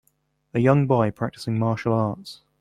A young boy practicing martial arts.